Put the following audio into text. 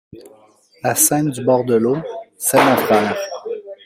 La scène du bord de l’eau. — C’est mon frère!